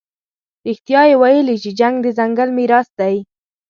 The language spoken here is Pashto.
رښتیا یې ویلي چې جنګ د ځنګل میراث دی.